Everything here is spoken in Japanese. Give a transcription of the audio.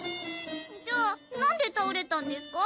じゃあなんでたおれたんですか？